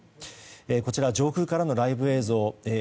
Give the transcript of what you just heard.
こちらは上空からのライブ映像。